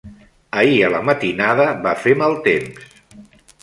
Ahir a la matinada va fer mal temps.